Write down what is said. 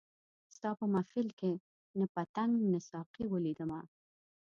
ستا په محفل کي نه پتنګ نه ساقي ولیدمه